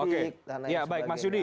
oke ya baik mas yudi